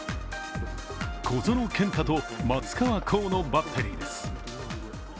小園健太と松川虎生のバッテリーです。